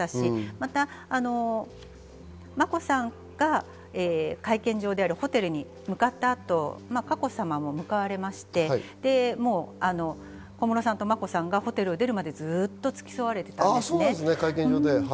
また眞子さんが会見場であるホテルに向かった後、佳子さまも向かわれまして、小室さんと眞子さんがホテルを出るまで、ずっとつき添われていたんですね。